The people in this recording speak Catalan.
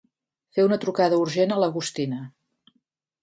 Fer una trucada urgent a l'Agostina.